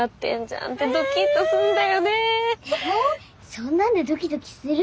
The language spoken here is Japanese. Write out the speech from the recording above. そんなんでドキドキする？